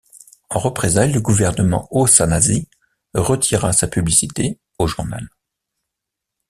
En représailles le gouvernement O'Shanassy retira sa publicité au journal.